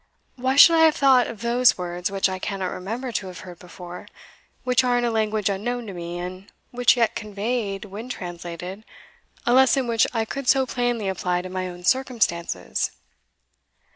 why should I have thought of those words which I cannot remember to have heard before, which are in a language unknown to me, and which yet conveyed, when translated, a lesson which I could so plainly apply to my own circumstances?"